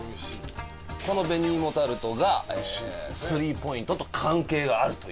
この紅芋タルトがスリーポイントと関係があるという事なので。